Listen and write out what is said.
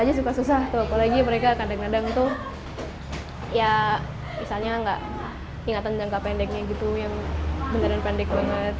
yang angka pendeknya gitu yang beneran pendek banget